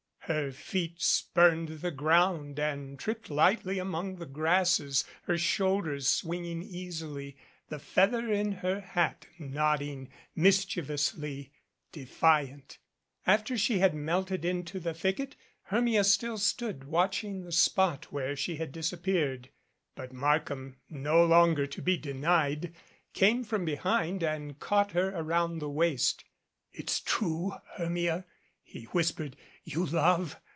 Her feet spurned the ground and tripped lightly among the grasses, her shoulders swinging easily, the feather in her hat nodding, mischievously defiant. After she had melted into the thicket, Hermia still stood watching the spot where she had disappeared. But Mark ham, no longer to be denied, came from behind and caught her around the waist. "It's true, Hermia," he whispered, "you love